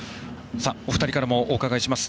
お二人からもお伺いします。